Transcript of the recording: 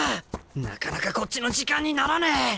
なかなかこっちの時間にならねえ！